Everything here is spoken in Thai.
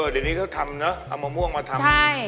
ถ้นนี้เขาทำเนอะเอาหมะม่วงมาทำ